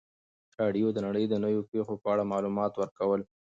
راډیو د نړۍ د نویو پیښو په اړه معلومات ورکول.